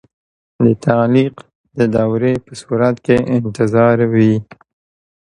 د تعلیق د دورې په صورت کې انتظار وي.